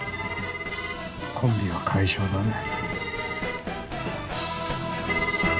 コンビは解消だね？